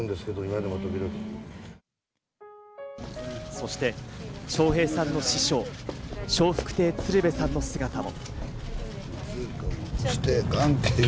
そして笑瓶さんの師匠・笑福亭鶴瓶さんの姿も。